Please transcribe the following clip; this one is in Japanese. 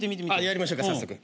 やりましょうか早速。